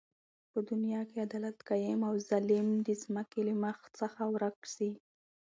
په دنیا کی عدالت قایم او ظلم د ځمکی له مخ څخه ورک سی